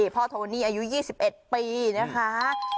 โทนี่อายุ๒๑ปีนะคะ